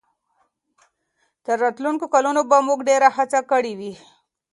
تر راتلونکو کلونو به موږ ډېره هڅه کړې وي.